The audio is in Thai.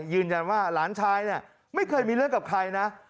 ยืนยันว่าหลานชายเนี่ยไม่เคยมีเรื่องกับใครนะ